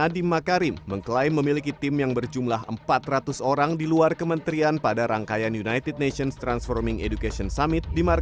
dalam dunia pendidikan di indonesia